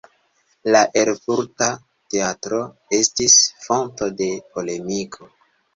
La Erfurta Teatro estis fonto de polemiko.